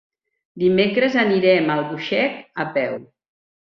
Dimecres anirem a Albuixec a peu.